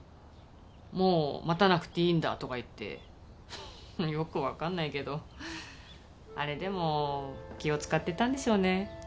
「もう待たなくていいんだ」とか言ってよく分かんないけどあれでも気を使ってたんでしょうね。